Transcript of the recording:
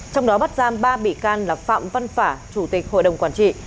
trong đó bắt giam ba bị can là phạm văn phả chủ tịch hội đồng quản trị